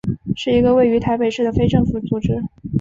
是一个位于台北市的非政府组织。